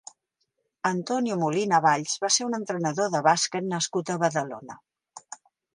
Antonio Molina Valls va ser un entrenador de bàsquet nascut a Badalona.